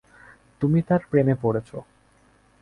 তুমি তার প্রেমে পড়েছ।